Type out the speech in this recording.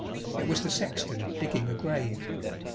It was the sexton digging a grave.